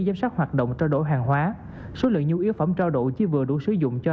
giám sát hoạt động trao đổi hàng hóa số lượng nhu yếu phẩm trao đổi chỉ vừa đủ sử dụng cho